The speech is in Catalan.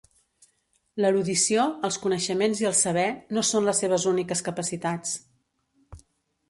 L'erudició, els coneixements i el saber, no són les seves úniques capacitats.